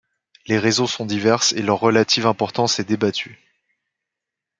Les raisons sont diverses et leur relative importance est débattue.